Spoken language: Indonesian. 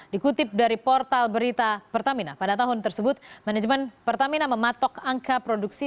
dikutip dari portal berita pertamina pada tahun tersebut manajemen pertamina mematok angka produksi